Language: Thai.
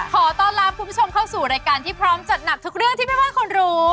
ขอต้อนรับคุณผู้ชมเข้าสู่รายการที่พร้อมจัดหนักทุกเรื่องที่แม่บ้านควรรู้